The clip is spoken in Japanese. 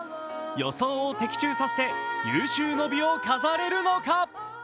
予想を的中させて有終の美を飾れるのか？